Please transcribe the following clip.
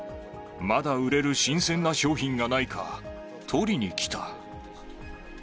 まだ売れる新鮮な商品がないか、取りに来た。